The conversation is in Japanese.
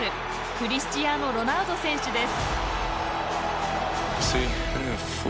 クリスチアーノ・ロナウド選手です！